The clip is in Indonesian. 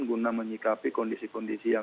guna menyikapi kondisi perusahaan